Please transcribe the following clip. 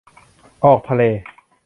ออกทะเล